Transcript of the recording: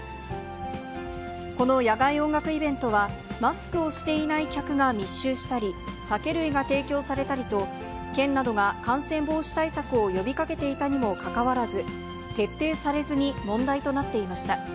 この野外音楽イベントは、マスクをしていない客が密集したり、酒類が提供されたりと、県などが感染防止対策を呼びかけていたにもかかわらず、徹底されずに問題となっていました。